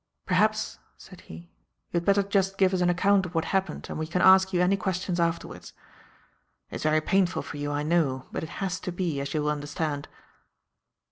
"Perhaps," said he, "you had better just give us an account of what happened and we can ask you any questions afterwards. It's very painful for you, I know, but it has to be, as you will understand."